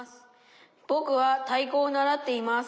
「ぼくは太鼓を習っています。